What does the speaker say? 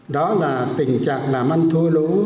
đó là tình trạng làm ăn thua lũ đầu tư kém hiệu quả